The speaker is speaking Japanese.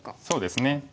そうですね。